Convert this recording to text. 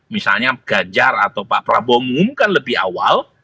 misalnya ganjar atau pak prabowo mengumumkan lebih awal